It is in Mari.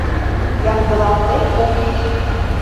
Ямдылалтде ок лий.